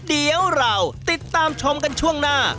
เดี๋ยวเราติดตามชมกันช่วงหน้า